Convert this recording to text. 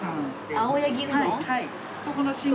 青柳うどん？